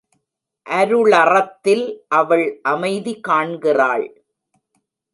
அருளறத்தில் அவள் அமைதி காண்கிறாள்.